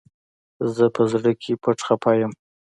زه په زړه کي پټ خپه يم